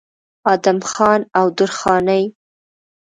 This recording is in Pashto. ادم خان او درخانۍ